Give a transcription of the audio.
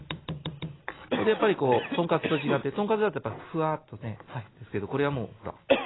これでやっぱりこう豚カツと違って豚カツだとやっぱフワーッとねですけどこれはもうほら。